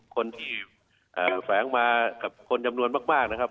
คนที่แสงมากับคนยำนวนมาก